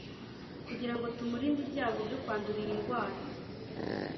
kugira ngo tumurinde ibyago byo kwandura iyi ndwara